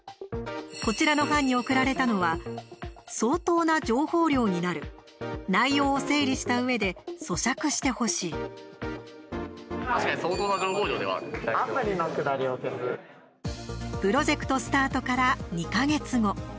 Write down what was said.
こちらの班に送られたのは「相当な情報量になる」「内容を整理ししたうえでそしゃくしてほしい」プロジェクトスタートから２か月後。